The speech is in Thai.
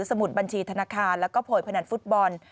มุดบัญชีธนาคารแล้วก็โวยพนันฟุตบอล